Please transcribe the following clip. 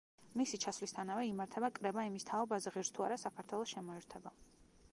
მისი ჩასვლისთანავე იმართება კრება იმის თაობაზე ღირს თუ არა საქართველოს შემოერთება.